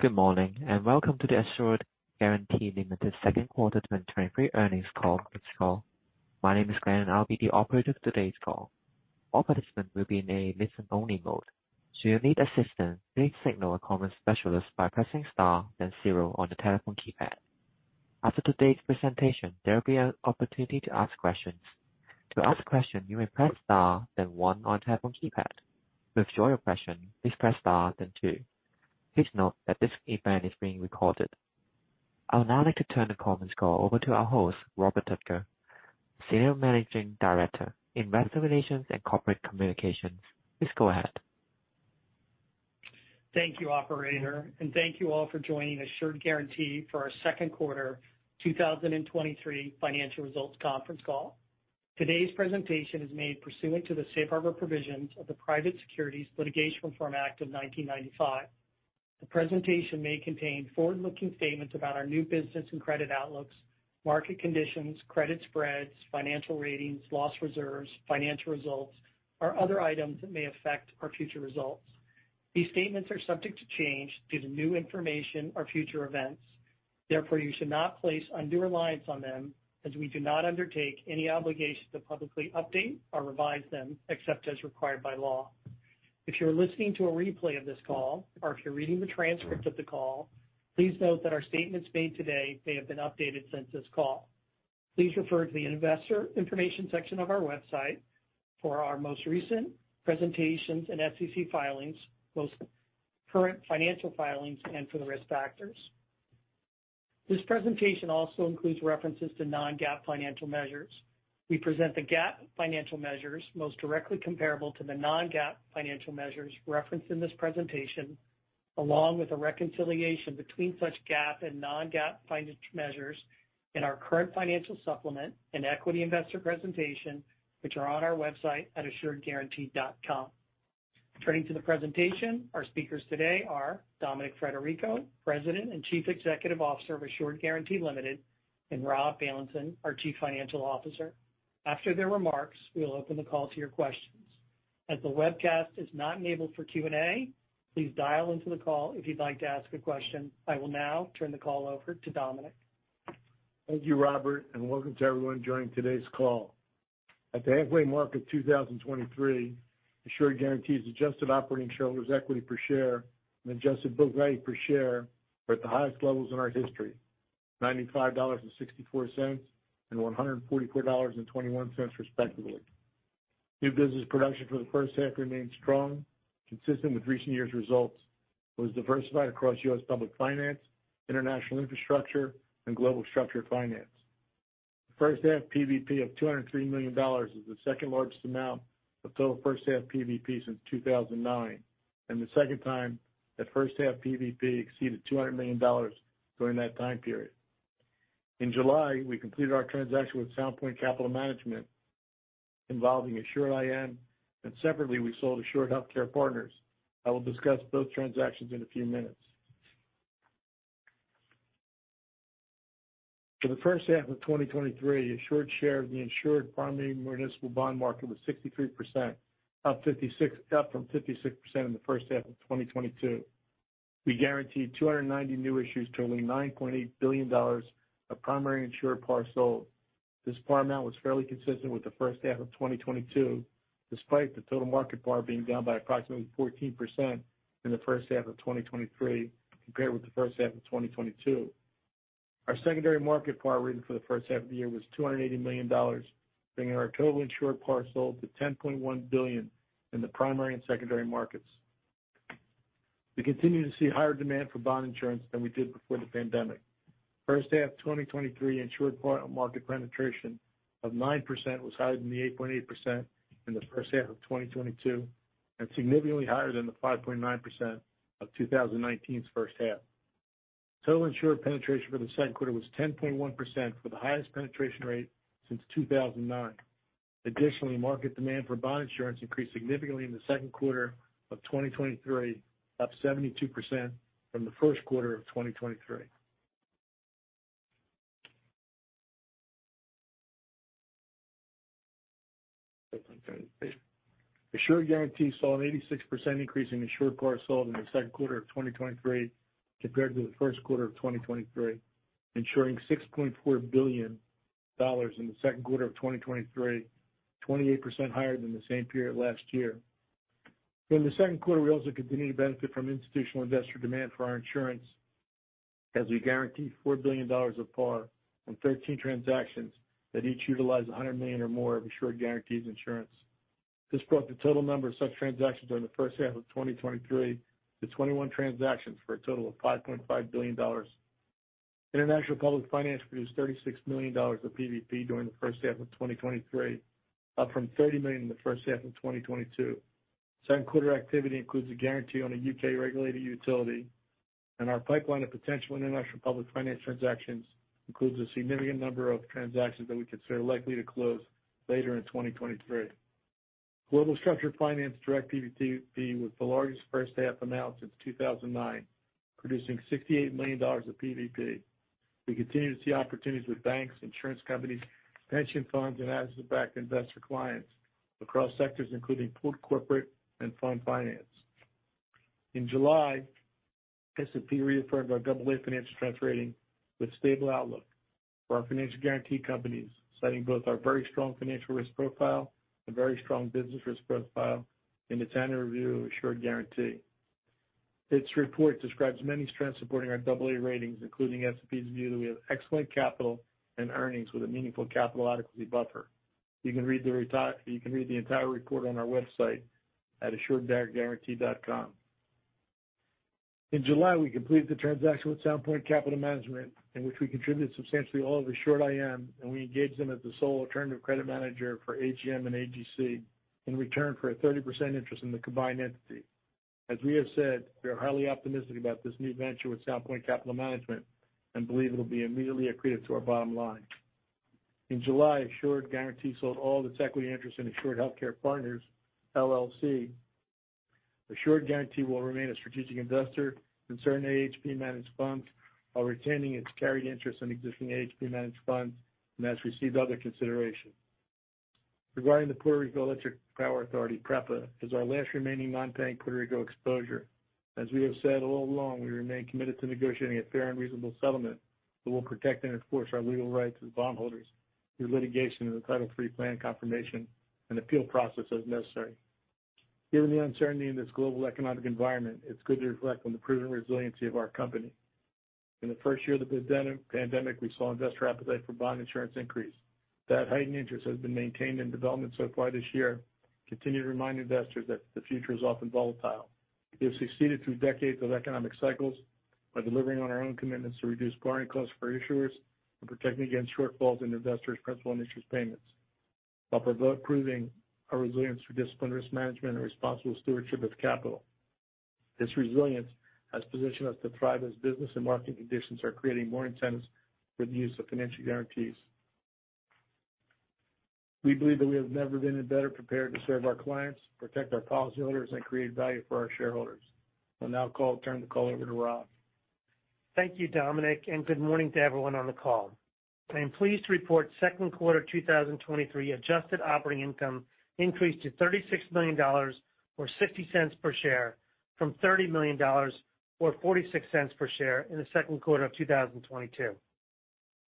Good morning, and welcome to the Assured Guaranty Limited Second Quarter 2023 Earnings Call. My name is Glenn, and I'll be the operator for today's call. All participants will be in a listen-only mode. Should you need assistance, please signal a conference specialist by pressing star, then zero on the telephone keypad. After today's presentation, there will be an opportunity to ask questions. To ask a question, you may press star, then one on your telephone keypad. To withdraw your question, please press star, then two. Please note that this event is being recorded. I would now like to turn the conference call over to our host, Robert Tucker, Senior Managing Director, Investor Relations and Corporate Communications. Please go ahead. Thank you, operator, thank you all for joining Assured Guaranty for our Second Quarter 2023 Financial Results Conference Call. Today's presentation is made pursuant to the safe harbor provisions of the Private Securities Litigation Reform Act of 1995. The presentation may contain forward-looking statements about our new business and credit outlooks, market conditions, credit spreads, financial ratings, loss reserves, financial results, or other items that may affect our future results. These statements are subject to change due to new information or future events. Therefore, you should not place undue reliance on them as we do not undertake any obligation to publicly update or revise them, except as required by law. If you are listening to a replay of this call or if you're reading the transcript of the call, please note that our statements made today may have been updated since this call. Please refer to the investor information section of our website for our most recent presentations and SEC filings, most current financial filings, and for the risk factors. This presentation also includes references to non-GAAP financial measures. We present the GAAP financial measures most directly comparable to the non-GAAP financial measures referenced in this presentation, along with a reconciliation between such GAAP and non-GAAP financial measures in our current financial supplement and equity investor presentation, which are on our website at assuredguaranty.com. Turning to the presentation, our speakers today are Dominic Frederico, President and Chief Executive Officer of Assured Guaranty Limited, and Rob Bailenson, our Chief Financial Officer. After their remarks, we will open the call to your questions. As the webcast is not enabled for Q&A, please dial into the call if you'd like to ask a question. I will now turn the call over to Dominic. Thank you, Robert, and welcome to everyone joining today's call. At the halfway mark of 2023, Assured Guaranty's adjusted operating shareholders' equity per share and adjusted book value per share are at the highest levels in our history, $95.64 and $144.21, respectively. New business production for the first half remained strong, consistent with recent years' results. It was diversified across U.S. public finance, international infrastructure, and global structured finance. First half PVP of $203 million is the second-largest amount of total first-half PVP since 2009, and the second time that first-half PVP exceeded $200 million during that time period. In July, we completed our transaction with Sound Point Capital Management involving Assured-IM, and separately, we sold Assured Healthcare Partners. I will discuss both transactions in a few minutes. For the first half of 2023, Assured share of the insured primary municipal bond market was 63%, up from 56% in the first half of 2022. We guaranteed 290 new issues, totaling $9.8 billion of primary insured par sold. This par amount was fairly consistent with the first half of 2022, despite the total market par being down by approximately 14% in the first half of 2023 compared with the first half of 2022. Our secondary market par written for the first half of the year was $280 million, bringing our total insured par sold to $10.1 billion in the primary and secondary markets. We continue to see higher demand for bond insurance than we did before the pandemic. First half 2023 insured par market penetration of 9% was higher than the 8.8% in the first half of 2022. Significantly higher than the 5.9% of 2019's first half. Total insured penetration for the second quarter was 10.1% for the highest penetration rate since 2009. Additionally, market demand for bond insurance increased significantly in the second quarter of 2023, up 72% from the first quarter of 2023. Assured Guaranty saw an 86% increase in insured par sold in the second quarter of 2023 compared to the first quarter of 2023, ensuring $6.4 billion in the second quarter of 2023, 28% higher than the same period last year. During the second quarter, we also continued to benefit from institutional investor demand for our insurance as we guaranteed $4 billion of par on 13 transactions that each utilized $100 million or more of Assured Guaranty's insurance. This brought the total number of such transactions during the first half of 2023 to 21 transactions for a total of $5.5 billion. International Public Finance produced $36 million of PVP during the first half of 2023, up from $30 million in the first half of 2022. Second quarter activity includes a guarantee on a U.K.-regulated utility. Our pipeline of potential international public finance transactions includes a significant number of transactions that we consider likely to close later in 2023. Global Structured Finance direct PVP was the largest first half amount since 2009, producing $68 million of PVP. We continue to see opportunities with banks, insurance companies, pension funds, and asset-backed investor clients across sectors including pooled corporate and fund finance. In July, S&P reaffirmed our AA financial strength rating with stable outlook for our financial guarantee companies, citing both our very strong financial risk profile and very strong business risk profile in its annual review of Assured Guaranty. Its report describes many strengths supporting our AA ratings, including S&P's view that we have excellent capital and earnings with a meaningful capital adequacy buffer. You can read the entire report on our website at assuredguaranty.com. In July, we completed the transaction with Sound Point Capital Management, in which we contributed substantially all of Assured-IM, and we engaged them as the sole alternative credit manager for AGM and AGC in return for a 30% interest in the combined entity. As we have said, we are highly optimistic about this new venture with Sound Point Capital Management and believe it'll be immediately accretive to our bottom line. In July, Assured Guaranty sold all its equity interest in Assured Healthcare Partners LLC. Assured Guaranty will remain a strategic investor in certain AHP managed funds, while retaining its carry interest in existing AHP managed funds and has received other consideration. Regarding the Puerto Rico Electric Power Authority, PREPA, is our last remaining non-paying Puerto Rico exposure. As we have said all along, we remain committed to negotiating a fair and reasonable settlement that will protect and enforce our legal rights as bondholders through litigation and the Title III Plan confirmation and appeal process as necessary. Given the uncertainty in this global economic environment, it's good to reflect on the proven resiliency of our company. In the first year of the pandemic, we saw investor appetite for bond insurance increase. That heightened interest has been maintained in development so far this year. Continue to remind investors that the future is often volatile. We have succeeded through decades of economic cycles by delivering on our own commitments to reduce borrowing costs for issuers and protecting against shortfalls in investors' principal and interest payments, while proving our resilience through disciplined risk management and responsible stewardship of capital. This resilience has positioned us to thrive as business and market conditions are creating more intense with the use of financial guarantees. We believe that we have never been better prepared to serve our clients, protect our policyholders, and create value for our shareholders. I'll now turn the call over to Rob. Thank you, Dominic, and good morning to everyone on the call. I am pleased to report second quarter 2023 adjusted operating income increased to $36 million, or $0.60 per share, from $30 million, or $0.46 per share in the second quarter of 2022.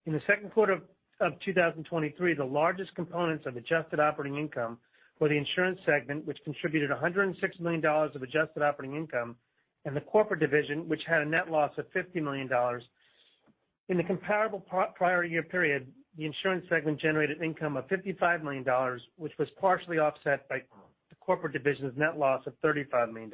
In the second quarter of 2023, the largest components of adjusted operating income were the insurance segment, which contributed $106 million of adjusted operating income, and the corporate division, which had a net loss of $50 million. In the comparable prior year period, the insurance segment generated income of $55 million, which was partially offset by the corporate division's net loss of $35 million.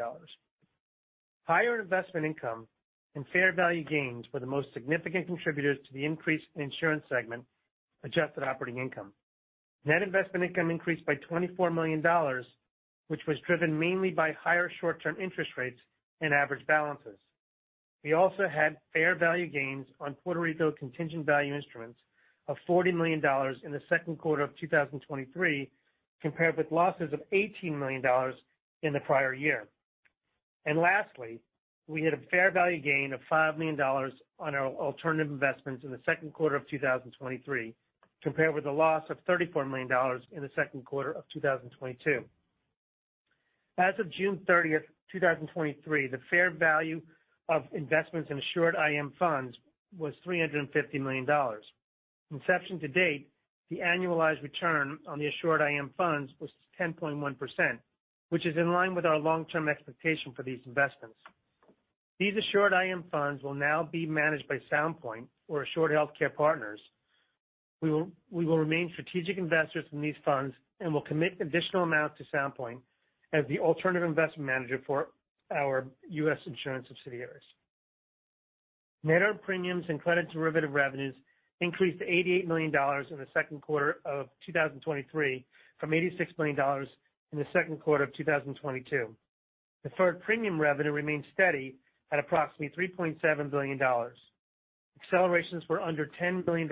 Higher investment income and fair value gains were the most significant contributors to the increased insurance segment adjusted operating income. Net investment income increased by $24 million, which was driven mainly by higher short-term interest rates and average balances. We also had fair value gains on Puerto Rico contingent value instruments of $40 million in the second quarter of 2023, compared with losses of $18 million in the prior year. Lastly, we had a fair value gain of $5 million on our alternative investments in the second quarter of 2023, compared with a loss of $34 million in the second quarter of 2022. As of June 30th, 2023, the fair value of investments in Assured-IM funds was $350 million. From inception to date, the annualized return on the Assured-IM funds was 10.1%, which is in line with our long-term expectation for these investments. These Assured-IM funds will now be managed by Sound Point or Assured Healthcare Partners. We will, we will remain strategic investors in these funds and will commit additional amounts to Sound Point as the alternative investment manager for our U.S. insurance subsidiaries. Net earned premiums and credit derivative revenues increased to $88 million in the second quarter of 2023, from $86 million in the second quarter of 2022. Deferred premium revenue remained steady at approximately $3.7 billion. Accelerations were under $10 billion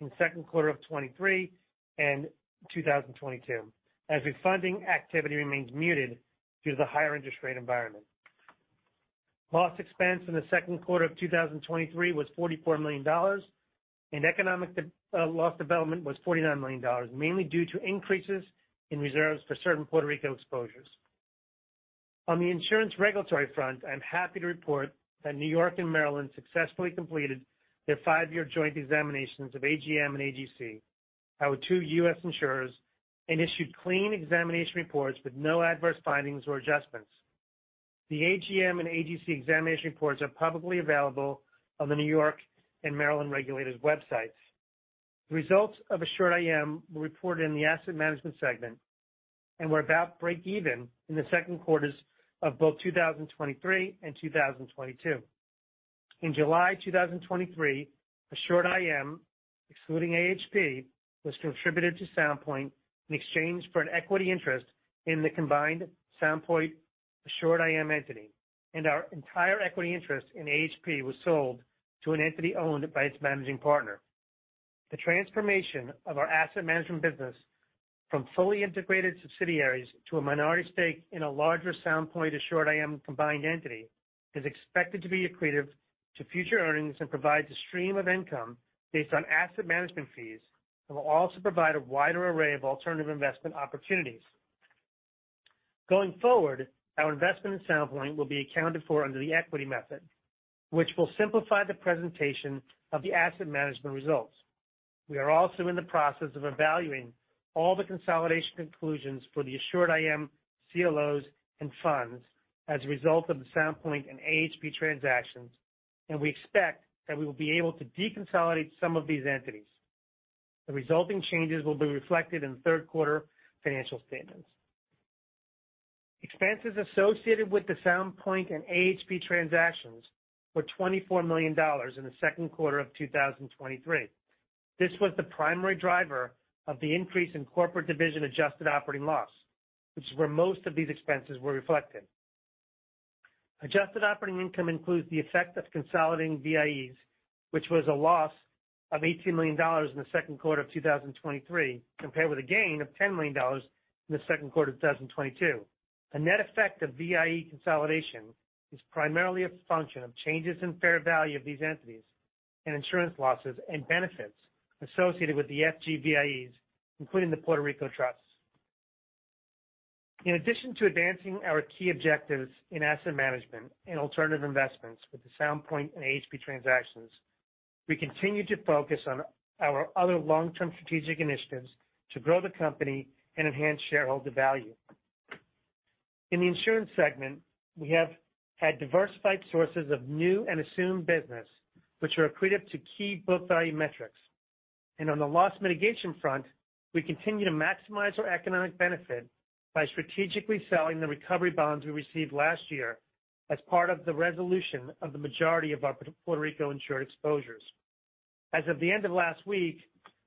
in the second quarter of 2023 and 2022, as the funding activity remains muted due to the higher interest rate environment. Loss expense in the second quarter of 2023 was $44 million, and economic loss development was $49 million, mainly due to increases in reserves for certain Puerto Rico exposures. On the insurance regulatory front, I'm happy to report that New York and Maryland successfully completed their five-year joint examinations of AGM and AGC, our two U.S. insurers, and issued clean examination reports with no adverse findings or adjustments. The AGM and AGC examination reports are publicly available on the New York and Maryland regulators' websites. The results of Assured-IM were reported in the asset management segment and were about break even in the second quarters of both 2023 and 2022. In July 2023, Assured-IM, excluding AHP, was contributed to Sound Point in exchange for an equity interest in the combined Sound Point Assured-IM entity, and our entire equity interest in AHP was sold to an entity owned by its managing partner. The transformation of our asset management business from fully integrated subsidiaries to a minority stake in a larger Sound Point Assured-IM combined entity, is expected to be accretive to future earnings and provide a stream of income based on asset management fees, and will also provide a wider array of alternative investment opportunities. Going forward, our investment in Sound Point will be accounted for under the equity method, which will simplify the presentation of the asset management results. We are also in the process of evaluating all the consolidation conclusions for the Assured-IM CLOs and funds as a result of the Sound Point and AHP transactions. We expect that we will be able to deconsolidate some of these entities. The resulting changes will be reflected in the third quarter financial statements. Expenses associated with the Sound Point and AHP transactions were $24 million in the second quarter of 2023. This was the primary driver of the increase in corporate division adjusted operating loss, which is where most of these expenses were reflected. Adjusted operating income includes the effect of consolidating VIEs, which was a loss of $18 million in the second quarter of 2023, compared with a gain of $10 million in the second quarter of 2022. The net effect of VIE consolidation is primarily a function of changes in fair value of these entities and insurance losses and benefits associated with the FG VIEs, including the Puerto Rico Trust. In addition to advancing our key objectives in asset management and alternative investments with the Sound Point and AHP transactions, we continue to focus on our other long-term strategic initiatives to grow the company and enhance shareholder value. In the insurance segment, we have had diversified sources of new and assumed business, which are accretive to key book value metrics. On the loss mitigation front, we continue to maximize our economic benefit by strategically selling the recovery bonds we received last year as part of the resolution of the majority of our Puerto Rico insured exposures. As of the end of last week,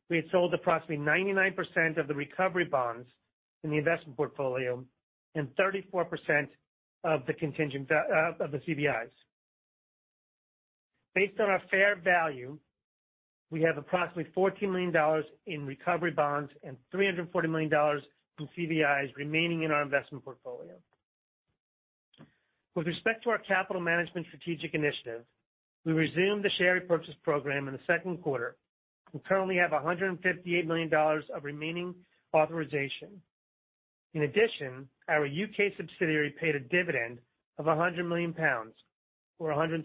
we had sold approximately 99% of the recovery bonds in the investment portfolio and 34% of the contingent, of the CVIs. Based on our fair value, we have approximately $14 million in recovery bonds and $340 million in CVIs remaining in our investment portfolio. With respect to our capital management strategic initiative, we resumed the share repurchase program in the second quarter. We currently have $158 million of remaining authorization. In addition, our UK subsidiary paid a dividend of 100 million pounds, or $127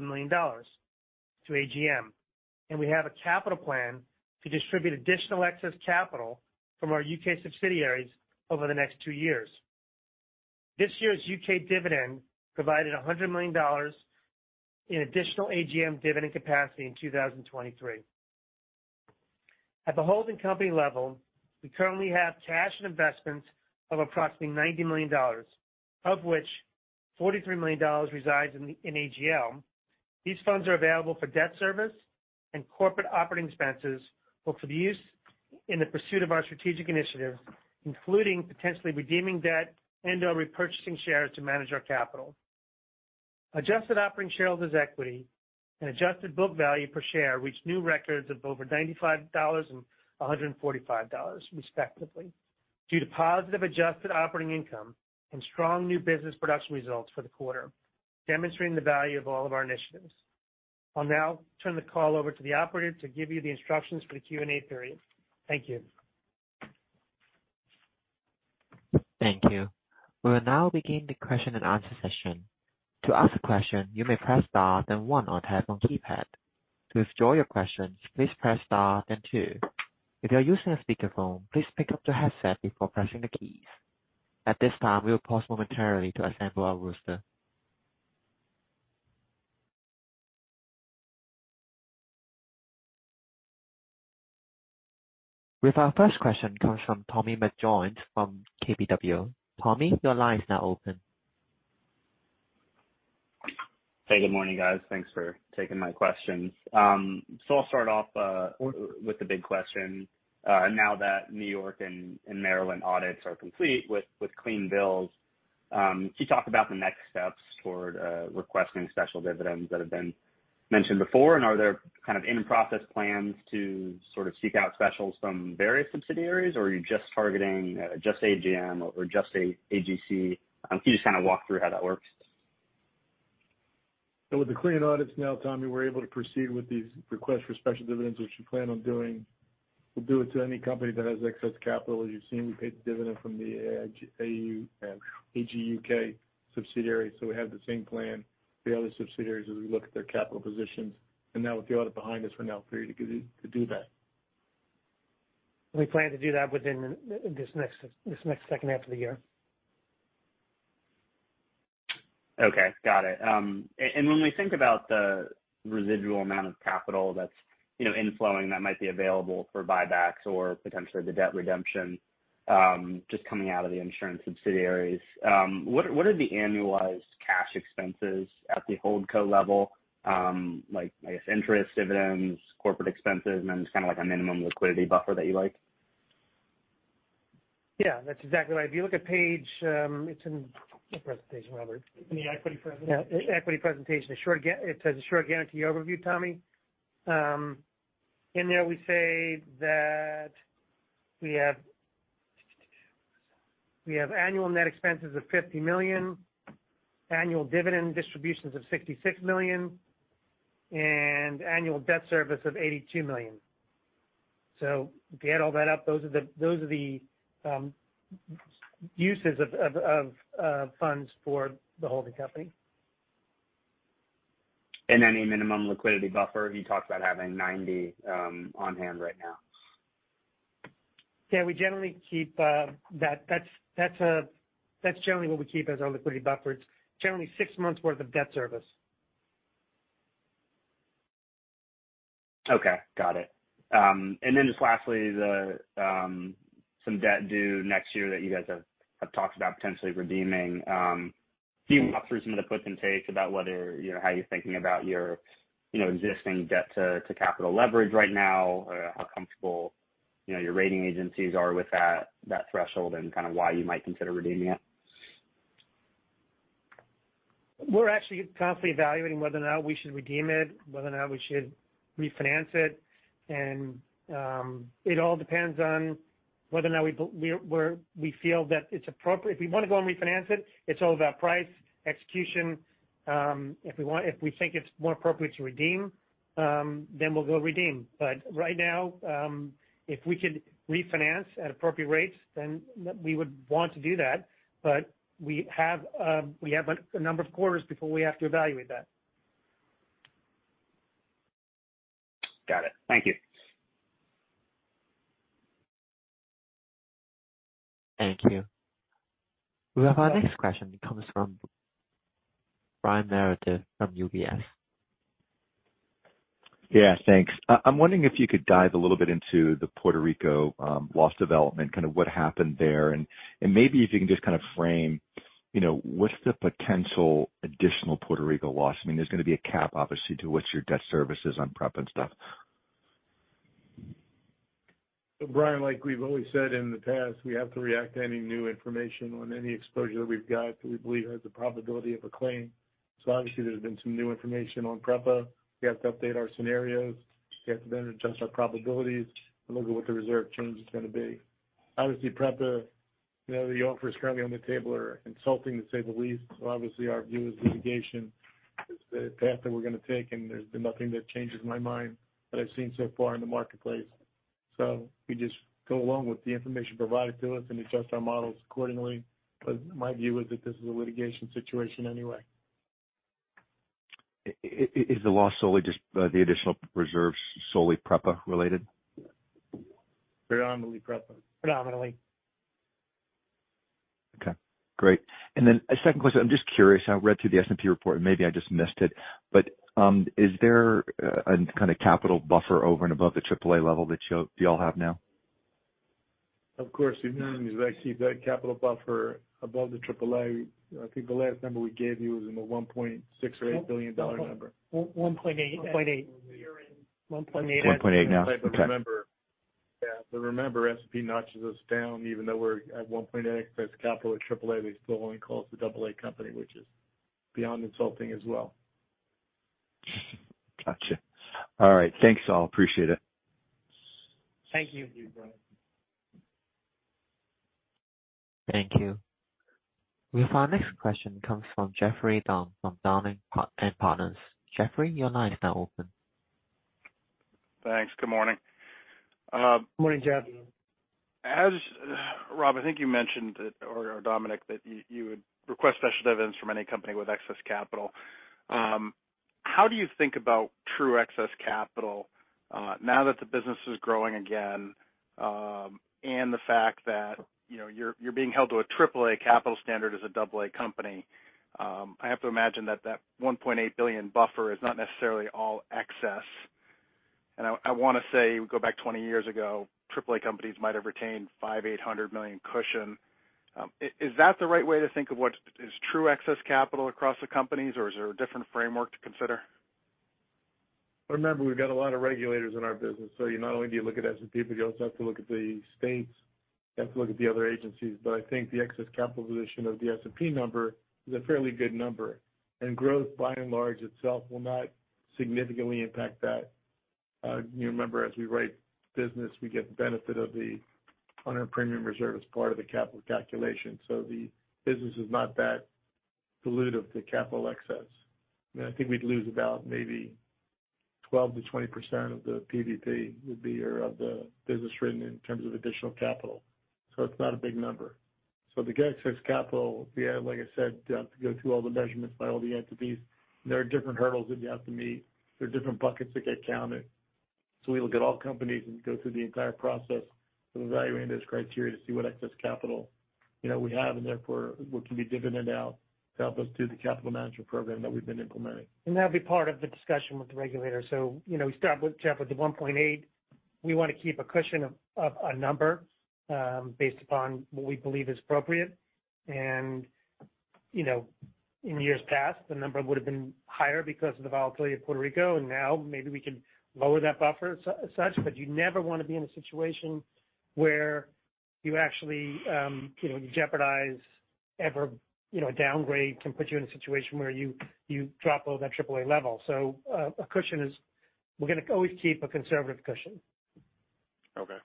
million, to AGM, and we have a capital plan to distribute additional excess capital from our UK subsidiaries over the next 2 years. This year's U.K. dividend provided $100 million in additional AGM dividend capacity in 2023. At the holding company level, we currently have cash and investments of approximately $90 million, of which $43 million resides in AGL. These funds are available for debt service and corporate operating expenses, or for the use in the pursuit of our strategic initiatives, including potentially redeeming debt and/or repurchasing shares to manage our capital. Adjusted operating shareholders' equity and adjusted book value per share reached new records of over $95 and $145, respectively, due to positive adjusted operating income and strong new business production results for the quarter, demonstrating the value of all of our initiatives. I'll now turn the call over to the operator to give you the instructions for the Q&A period. Thank you. Thank you. We will now begin the question and answer session. To ask a question, you may press star then one on your telephone keypad. To withdraw your questions, please press star then two. If you are using a speakerphone, please pick up the headset before pressing the keys. At this time, we will pause momentarily to assemble our roster. We have our first question comes from Tommy McJoynt from KBW. Tommy, your line is now open. Hey, good morning, guys. Thanks for taking my questions. So I'll start off with the big question. Now that New York and Maryland audits are complete with clean bills, can you talk about the next steps toward requesting special dividends that have been mentioned before? Are there kind of in-process plans to sort of seek out specials from various subsidiaries, or are you just targeting just AGM or just AGC? Can you just kind of walk through how that works? With the clean audits now, Tommy, we're able to proceed with these requests for special dividends, which we plan on doing. We'll do it to any company that has excess capital. As you've seen, we paid the dividend from the AGUK subsidiary, so we have the same plan for the other subsidiaries as we look at their capital positions. Now with the audit behind us, we're now free to do that. We plan to do that within this next second half of the year. Okay, got it. When we think about the residual amount of capital that's, you know, inflowing, that might be available for buybacks or potentially the debt redemption, just coming out of the insurance subsidiaries, what, what are the annualized cash expenses at the hold co level? Like, I guess, interest, dividends, corporate expenses, and then just kind of like a minimum liquidity buffer that you like? Yeah, that's exactly right. If you look at page, it's in the presentation, Robert. In the equity presentation? Yeah, equity presentation. The short it says the short guarantee overview, Tommy. In there we say that we have, we have annual net expenses of $50 million, annual dividend distributions of $66 million, and annual debt service of $82 million. If you add all that up, those are the, those are the uses of, of, of, of funds for the holding company. Any minimum liquidity buffer? You talked about having $90 on hand right now. Yeah, we generally keep, that's generally what we keep as our liquidity buffer. It's generally six months worth of debt service. Okay, got it. Then just lastly, the, some debt due next year that you guys have, have talked about potentially redeeming. Can you walk through some of the puts and takes about whether, you know, how you're thinking about your, you know, existing debt to, to capital leverage right now? How comfortable, you know, your rating agencies are with that, that threshold, and kind of why you might consider redeeming it? We're actually constantly evaluating whether or not we should redeem it, whether or not we should refinance it. It all depends on whether or not we feel that it's appropriate. If we want to go and refinance it, it's all about price, execution. If we think it's more appropriate to redeem, then we'll go redeem. Right now, if we could refinance at appropriate rates, then we would want to do that. We have a number of quarters before we have to evaluate that. Got it. Thank you. Thank you. We have our next question. It comes from Brian Meredith from UBS. Yeah, thanks. I, I'm wondering if you could dive a little bit into the Puerto Rico, loss development, kind of what happened there. Maybe if you can just kind of frame, you know, what's the potential additional Puerto Rico loss? I mean, there's going to be a cap, obviously, to what your debt service is on PREPA and stuff. Brian, like we've always said in the past, we have to react to any new information on any exposure we've got that we believe has a probability of a claim. Obviously, there's been some new information on PREPA. We have to update our scenarios. We have to then adjust our probabilities and look at what the reserve change is going to be. Obviously, PREPA, you know, the offers currently on the table are insulting, to say the least. Obviously, our view is litigation is the path that we're going to take, and there's been nothing that changes my mind that I've seen so far in the marketplace. We just go along with the information provided to us and adjust our models accordingly. My view is that this is a litigation situation anyway. Is the loss solely just, the additional reserves solely PREPA related? Predominantly PREPA. Predominantly. Okay, great. A second question. I'm just curious, I read through the S&P report, and maybe I just missed it, but is there a kind of capital buffer over and above the triple A level that you all have now? Of course, we keep that capital buffer above the AAA. I think the last number we gave you was in the $1.6 billion or $1.8 billion number. 1.8, 1.8 1.8 now? Okay. Remember, yeah, but remember, S&P notches us down. Even though we're at 1.8 excess capital at triple A, we still only call it the double A company, which is beyond insulting as well. Got you. All right. Thanks, all. Appreciate it. Thank you, Brian. Thank you. We have our next question comes from Geoffrey Dunn from Dowling & Partners. Jeffrey, your line is now open. Thanks. Good morning, Good morning, Jeff. As, Rob, I think you mentioned, or, or Dominic, that you, you would request special dividends from any company with excess capital. How do you think about true excess capital, now that the business is growing again, and the fact that, you know, you're, you're being held to a AAA capital standard as a AA company? I have to imagine that that $1.8 billion buffer is not necessarily all excess. I, I want to say, go back 20 years ago, AAA companies might have retained $500 million-$800 million cushion. Is that the right way to think of what is true excess capital across the companies, or is there a different framework to consider? Remember, we've got a lot of regulators in our business, so you not only do you look at S&P, but you also have to look at the states, you have to look at the other agencies. I think the excess capital position of the S&P number is a fairly good number, and growth, by and large, itself, will not significantly impact that. You remember, as we write business, we get the benefit of the unearned premium reserve as part of the capital calculation, so the business is not that dilutive to capital excess. I think we'd lose about maybe 12%-20% of the PVP would be, or of the business written in terms of additional capital. It's not a big number. To get excess capital, we have, like I said, to go through all the measurements by all the entities. There are different hurdles that you have to meet. There are different buckets that get counted. We look at all companies and go through the entire process of evaluating this criteria to see what excess capital, you know, we have, and therefore what can be dividend out to help us do the capital management program that we've been implementing. That'll be part of the discussion with the regulator. You know, we start with, Jeff, with the 1.8. We want to keep a cushion of, of a number, based upon what we believe is appropriate. You know, in years past, the number would have been higher because of the volatility of Puerto Rico, and now maybe we can lower that buffer as, as such. You never want to be in a situation where you actually, you know, jeopardize ever, you know, a downgrade can put you in a situation where you, you drop below that AAA level. A cushion is, we're going to always keep a conservative cushion. Okay.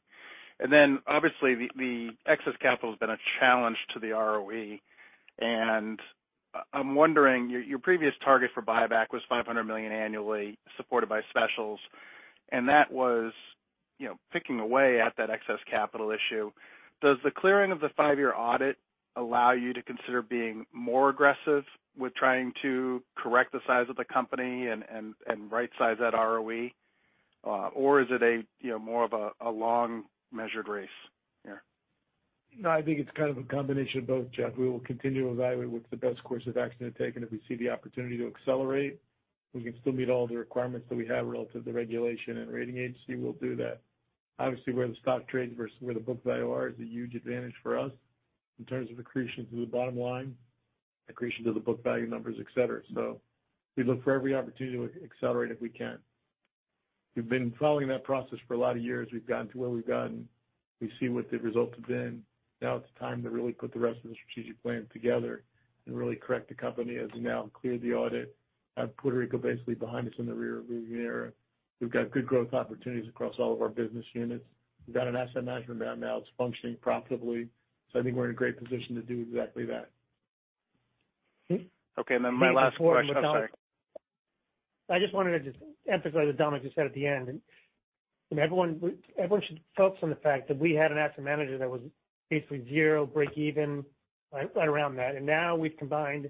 Then obviously, the, the excess capital has been a challenge to the ROE. I'm wondering, your, your previous target for buyback was $500 million annually, supported by specials, and that was, you know, picking away at that excess capital issue. Does the clearing of the 5-year audit allow you to consider being more aggressive with trying to correct the size of the company and, and, and rightsize that ROE? Is it a, you know, more of a, a long measured race here? No, I think it's kind of a combination of both, Jeff. We will continue to evaluate what's the best course of action to take, and if we see the opportunity to accelerate, we can still meet all the requirements that we have relative to regulation and rating agency will do that. Obviously, where the stock trades versus where the book value are, is a huge advantage for us in terms of accretion to the bottom line, accretion to the book value numbers, et cetera. We look for every opportunity to accelerate if we can. We've been following that process for a lot of years. We've gotten to where we've gotten. We see what the results have been. Now it's time to really put the rest of the strategic plan together and really correct the company as we now clear the audit, have Puerto Rico basically behind us in the rear view mirror. We've got good growth opportunities across all of our business units. We've got an asset management down now. It's functioning profitably. I think we're in a great position to do exactly that. Okay, and then my last question. I'm sorry. I just wanted to just emphasize what Dominic just said at the end. Everyone, everyone should focus on the fact that we had an asset manager that was basically 0, break even, right, right around that. Now we've combined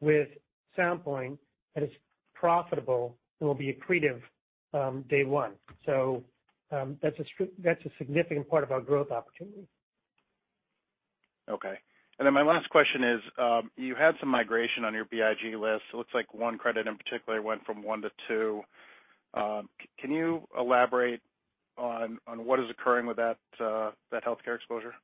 with Sound Point, that is profitable and will be accretive, day one. That's a significant part of our growth opportunity. Okay. My last question is, you had some migration on your BIG list. It looks like one credit in particular went from 1 to 2. Can you elaborate on, on what is occurring with that, that healthcare exposure?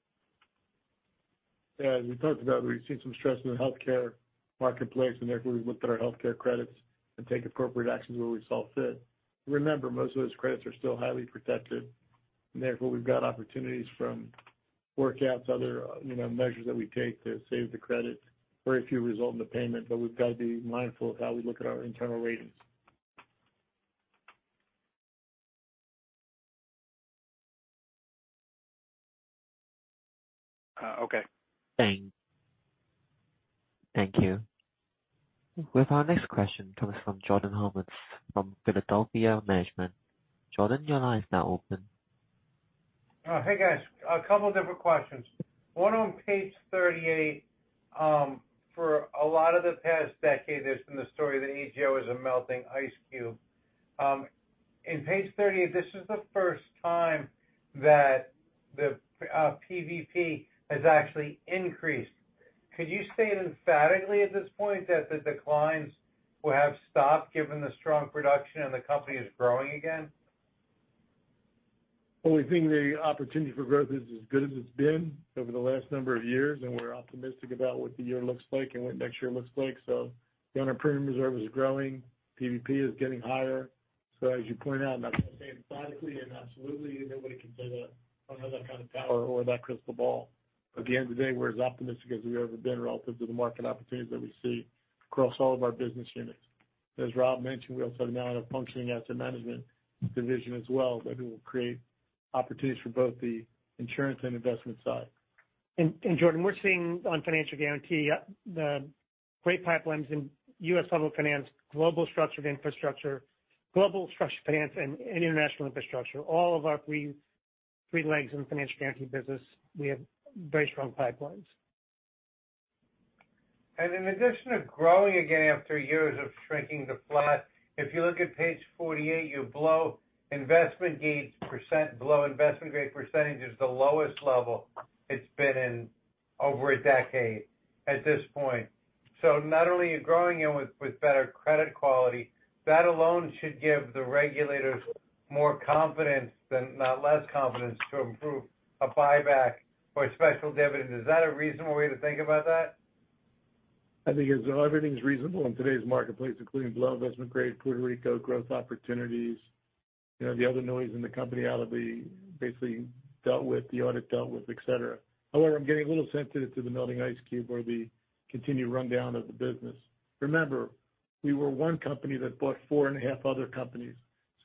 Yeah, as we talked about, we've seen some stress in the healthcare marketplace, and therefore, we've looked at our healthcare credits and take appropriate actions where we saw fit. Remember, most of those credits are still highly protected, and therefore, we've got opportunities from workouts, other, you know, measures that we take to save the credit, very few result in the payment, but we've got to be mindful of how we look at our internal ratings. Okay. Thank you. With our next question comes from Jordan Hymowitz from Philadelphia Management. Jordan, your line is now open. Hey, guys, a couple of different questions. One, on page 38, for a lot of the past decade, there's been the story that AGO is a melting ice cube. In page 38, this is the first time that the PVP has actually increased. Could you say emphatically at this point that the declines will have stopped given the strong production and the company is growing again? We think the opportunity for growth is as good as it's been over the last number of years, and we're optimistic about what the year looks like and what next year looks like. The unearned premium reserve is growing, PVP is getting higher. As you point out, I'm not going to say emphatically and absolutely, nobody can say that on another kind of power or that crystal ball. At the end of the day, we're as optimistic as we've ever been relative to the market opportunities that we see across all of our business units. As Rob mentioned, we also now have a functioning asset management division as well, that it will create opportunities for both the insurance and investment side. Jordan, we're seeing on financial guarantee, the great pipelines in U.S. public finance, global structured infrastructure, global structured finance, and international infrastructure. All of our three, three legs in the financial guarantee business, we have very strong pipelines. In addition to growing again after years of shrinking the flat, if you look at page 48, your below investment grade %, below investment grade percentage is the lowest level it's been in over a decade at this point. Not only are you growing it with, with better credit quality, that alone should give the regulators more confidence than not less confidence to improve a buyback or a special dividend. Is that a reasonable way to think about that? I think everything's reasonable in today's marketplace, including below investment grade, Puerto Rico, growth opportunities. You know, the other noise in the company that will be basically dealt with, the audit dealt with, et cetera. However, I'm getting a little sensitive to the melting ice cube or the continued rundown of the business. Remember, we were one company that bought 4.5 other companies.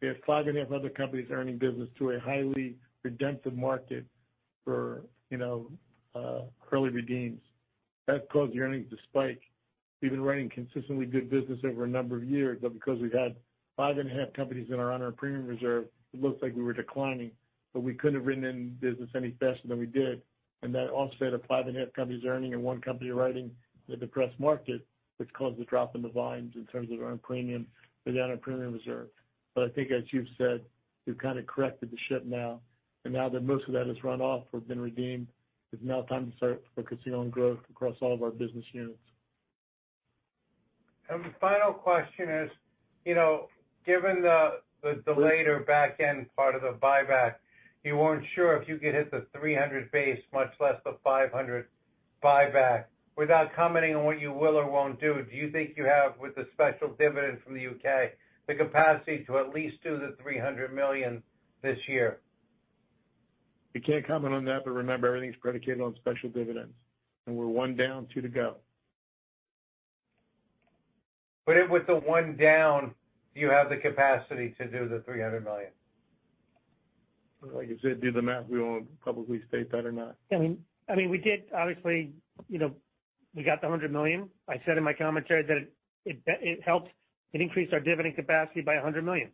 We had 5.5 other companies earning business to a highly redemptive market for, you know, early redeems. That caused the earnings to spike. We've been running consistently good business over a number of years, but because we had 5.5 companies in our unearned premium reserve, it looked like we were declining, but we couldn't have written in business any faster than we did. That offset of 5.5 companies earning and 1 company writing in a depressed market, which caused a drop in the volumes in terms of our unearned premium and the unearned premium reserve. I think as you've said, we've kind of corrected the ship now, and now that most of that has run off or been redeemed, it's now time to start focusing on growth across all of our business units. The final question is, you know, given the, the delayed or back end part of the buyback, you weren't sure if you could hit the $300 base, much less the $500 buyback. Without commenting on what you will or won't do, do you think you have, with the special dividend from the U.K., the capacity to at least do the $300 million this year? We can't comment on that, but remember, everything's predicated on special dividends, and we're 1 down, 2 to go. With the 1 down, do you have the capacity to do the $300 million? Like I said, do the math. We won't publicly state that or not. I mean, I mean, we did obviously, you know, we got the $100 million. I said in my commentary that it, it, it helped. It increased our dividend capacity by $100 million.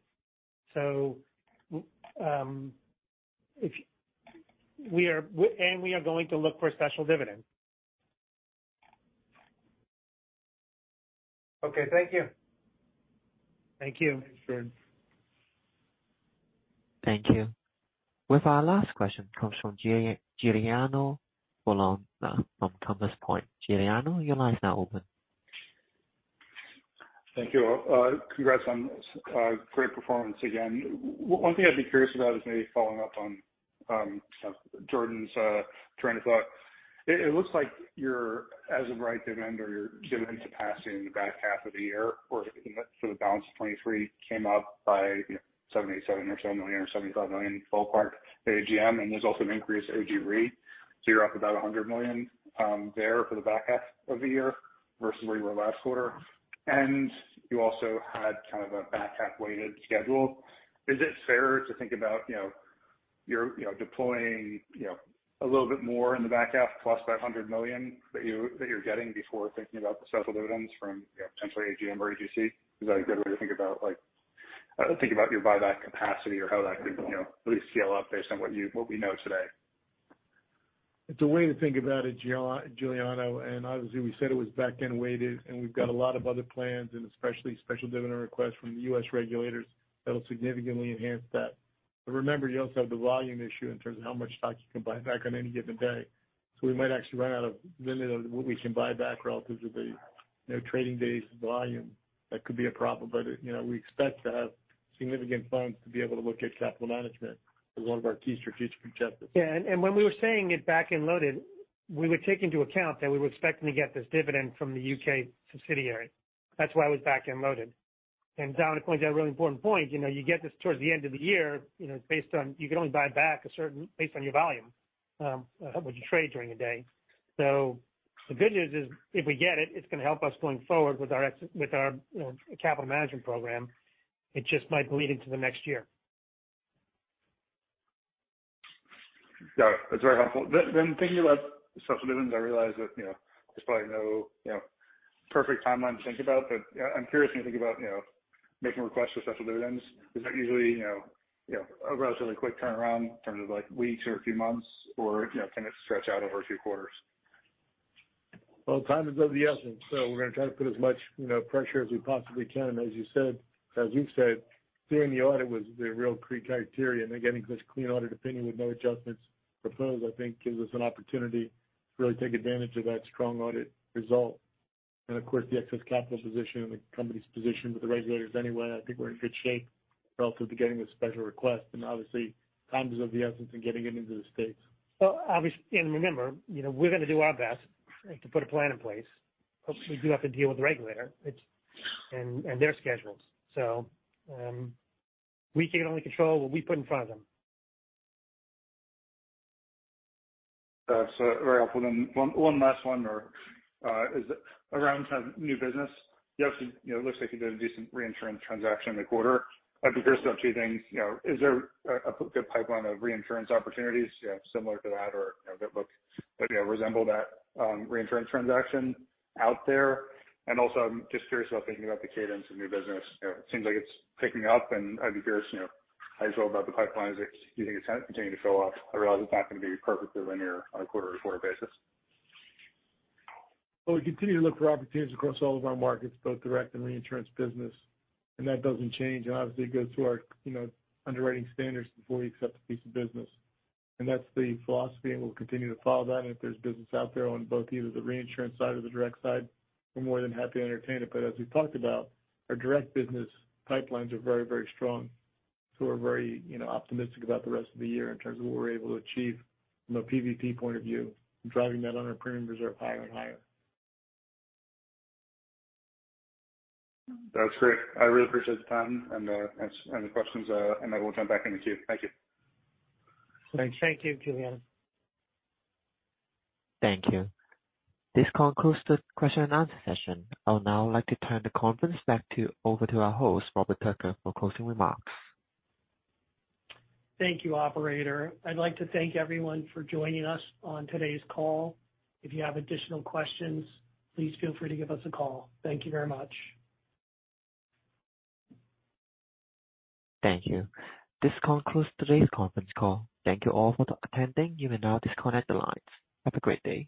And we are going to look for a special dividend. Okay, thank you. Thank you, Jordan. Thank you. With our last question comes from Giuliano Bologna from Compass Point. Giuliano, your line is now open. Thank you. Congrats on great performance again. One thing I'd be curious about is maybe following up on Jordan's train of thought. It looks like you're, as of right, dividend or your dividend capacity in the back half of the year or for the balance of 2023 came up by, you know, $77 million or $7 million or $75 million ballpark at AGM, and there's also an increase at AG Re. You're up about $100 million there for the back half of the year versus where you were last quarter. You also had kind of a back half-weighted schedule. Is it fair to think about, you know, you're, you know, deploying, you know, a little bit more in the back half, plus that $100 million that you, that you're getting before thinking about the special dividends from, you know, potentially AGM or AGC? Is that a good way to think about, like, think about your buyback capacity or how that could, you know, at least scale up based on what we know today? It's a way to think about it, Giuliano. Obviously, we said it was back end weighted, and we've got a lot of other plans, especially special dividend requests from the U.S. regulators that will significantly enhance that. Remember, you also have the volume issue in terms of how much stock you can buy back on any given day. We might actually run out of limit of what we can buy back relative to the, you know, trading days volume. That could be a problem, you know, we expect to have significant funds to be able to look at capital management as one of our key strategic objectives. Yeah, and, and when we were saying it back-end loaded, we would take into account that we were expecting to get this dividend from the UK subsidiary. That's why it was back-end loaded. Don pointed out a really important point. You know, you get this towards the end of the year, you know, based on you can only buy back a certain based on your volume, what you trade during the day. The good news is, if we get it, it's going to help us going forward with our, you know, capital management program. It just might bleed into the next year. Got it. That's very helpful. Then thinking about the special dividends, I realize that, you know, there's probably no, you know, perfect timeline to think about, but I'm curious when you think about, you know, making requests for special dividends, is that usually, you know, a relatively quick turnaround in terms of, like, weeks or a few months, or, you know, can it stretch out over a few quarters? Well, time is of the essence, so we're going to try to put as much, you know, pressure as we possibly can. As you said- as you've said, clearing the audit was the real criteria. Then getting this clean audit opinion with no adjustments proposed, I think gives us an opportunity to really take advantage of that strong audit result. Of course, the excess capital position and the company's position with the regulators anyway, I think we're in good shape relative to getting this special request. Obviously, time is of the essence in getting it into the states. Well, obviously, remember, you know, we're going to do our best to put a plan in place. Obviously, we do have to deal with the regulator, it's their schedules. We can only control what we put in front of them. That's very helpful. One, one last one, or is around kind of new business. You obviously, you know, looks like you did a decent reinsurance transaction in the quarter. I'd be curious about 2 things. You know, is there a good pipeline of reinsurance opportunities, you know, similar to that or, you know, that look, that, you know, resemble that reinsurance transaction out there? Also, I'm just curious about thinking about the cadence of new business. You know, it seems like it's picking up, and I'd be curious, you know, how you feel about the pipeline. Do you think it's going to continue to show up? I realize it's not going to be perfectly linear on a quarter-to-quarter basis. Well, we continue to look for opportunities across all of our markets, both direct and reinsurance business, and that doesn't change. Obviously, it goes through our, you know, underwriting standards before we accept a piece of business. That's the philosophy, and we'll continue to follow that. If there's business out there on both either the reinsurance side or the direct side, we're more than happy to entertain it. As we've talked about, our direct business pipelines are very, very strong, so we're very, you know, optimistic about the rest of the year in terms of what we're able to achieve from a PVP point of view, driving that unearned premium reserve higher and higher. That's great. I really appreciate the time and the questions, and I will turn it back in the queue. Thank you. Great. Thank you, Giuliano. Thank you. This concludes the question and answer session. I would now like to turn the conference over to our host, Robert Tucker, for closing remarks. Thank you, operator. I'd like to thank everyone for joining us on today's call. If you have additional questions, please feel free to give us a call. Thank you very much. Thank you. This concludes today's conference call. Thank you all for attending. You may now disconnect the lines. Have a great day.